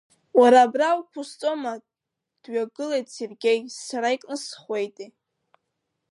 Уара абра уқәысҵома, дҩагылеит Сергеи, сара икнысхуеитеи.